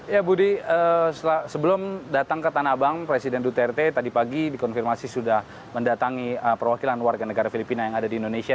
ya budi sebelum datang ke tanah abang presiden duterte tadi pagi dikonfirmasi sudah mendatangi perwakilan warga negara filipina yang ada di indonesia